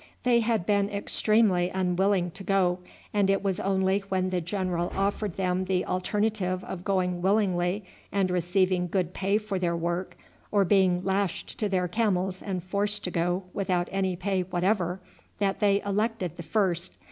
They had been extremely unwilling to go, and it was only when the general offered them the alternative of going willingly and receiving good pay for their work, or being lashed to their camels and forced to go without any pay whatever, that they elected the first.